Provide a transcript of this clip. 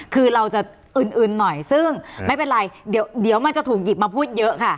คือเราจะอึนหน่อยซึ่งไม่เป็นไรเดี๋ยวมันจะถูกหยิบมาพูดเยอะค่ะ